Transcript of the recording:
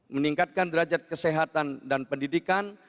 meningkatkan derajat kesehatan dan pendidikan